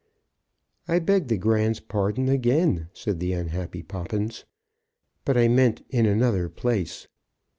"I beg the Grand's pardon again," said the unhappy Poppins; "but I meant in another place."